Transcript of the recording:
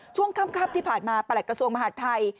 ช่วงค่ำที่ผ่านมาประหลัดกระทรวงมหาดไทย